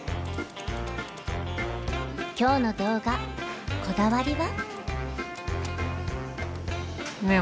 今日の動画こだわりは？